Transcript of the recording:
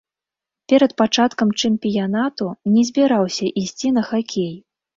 Перад пачаткам чэмпіянату не збіраўся ісці на хакей.